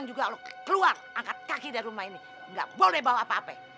masa lu gak kenal gue